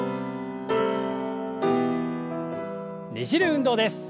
ねじる運動です。